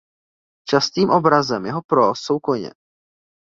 Častým obrazem jeho próz jsou koně.